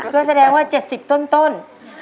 ก็แสดงว่า๗๐ต้น